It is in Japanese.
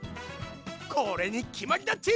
これにきまりだっち！